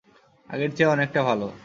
আগের চেয়ে অনেকটা ভালো!